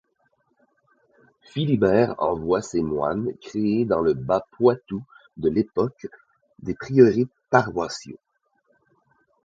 Philibert envoie ses moines créer dans le bas-Poitou de l'époque, des prieurés paroissiaux.